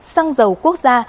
xăng dầu quốc gia